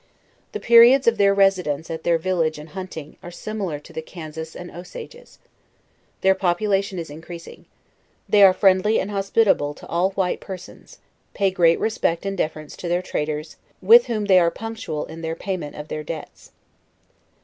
The periods of their residence at their village and hunting, are similar to the Kansas and Usages. Their population is increasing. They are friendly and hospitable to all white persons; pay great respect and deference to theie traders, with whom they are punctual in their payment of their debts.